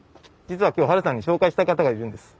実は今日ハルさんに紹介したい方がいるんです。